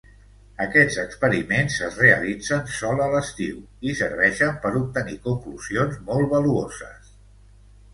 Aquests experiments es realitzen sol a l'estiu, i serveixen per obtenir conclusions molt valuoses.